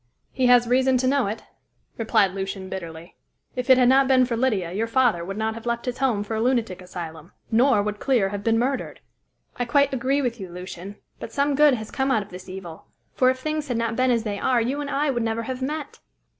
"He has reason to know it," replied Lucian bitterly. "If it had not been for Lydia, your father would not have left his home for a lunatic asylum, nor would Clear have been murdered." "I quite agree with you, Lucian; but some good has come out of this evil, for if things had not been as they are, you and I would never have met."